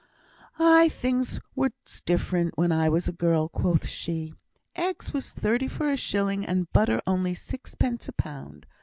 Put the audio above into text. "Aye! things was different when I was a girl," quoth she. "Eggs was thirty for a shilling, and butter only sixpence a pound.